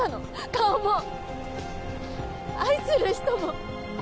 顔も愛する人も。